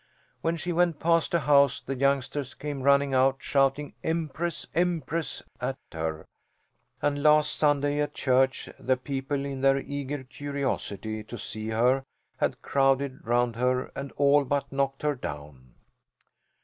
When she went past a house the youngsters came running out shouting "Empress, Empress" at her, and last Sunday at church the people in their eager curiosity to see her had crowded round her and all but knocked her down.